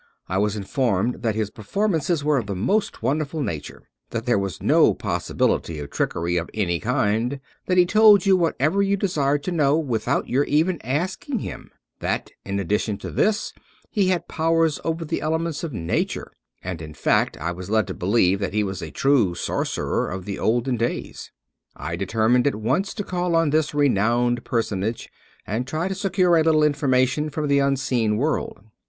I was informed that his performances were of the most wonderful nature ; that there was no possibility of trickery of any kind ; that he told you whatever you desired to know, without your even asking him ; that, in addition to this, he had powers over the elements of nature ; and, in fact, I was led to believe that he was a true sorcerer of the olden days. I determined at once to call on this renowned personage, and try to secure a little information from the unseen world.